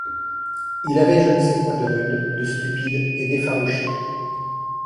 Il avait je ne sais quoi de rude, de stupide et d’effarouché.